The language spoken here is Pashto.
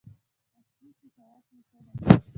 اصلي شکایت مو څه دی؟